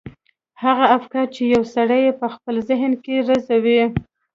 هغه افکار چې يو سړی يې په خپل ذهن کې روزي.